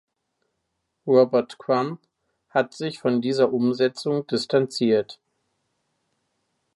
Robert Crumb hat sich von dieser Umsetzung distanziert.